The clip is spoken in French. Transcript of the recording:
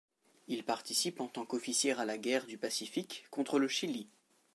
Il participe en tant qu'officier à la guerre du pacifique contre le Chili.